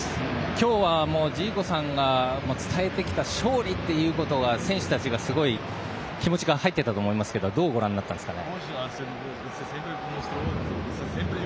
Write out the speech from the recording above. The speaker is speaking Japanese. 今日はジーコさんが伝えてきた勝利ということが選手たちがすごい気持ちが入っていたと思いますけどどうご覧になったんですかね？